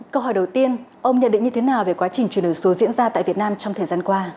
câu hỏi đầu tiên ông nhận định như thế nào về quá trình chuyển đổi số diễn ra tại việt nam trong thời gian qua